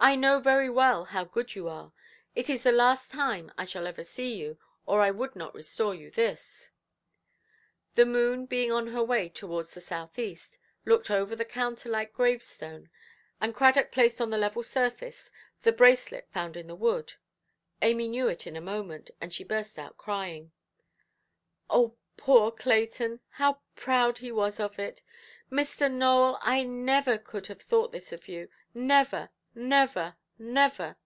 I know very well how good you are. It is the last time I shall ever see you, or I would not restore you this". The moon, being on her way towards the southeast, looked over the counter–like gravestone, and Cradock placed on the level surface the bracelet found in the wood. Amy knew it in a moment; and she burst out crying— "Oh, poor Clayton! How proud he was of it! Mr. Nowell, I never could have thought this of you; never, never, never"!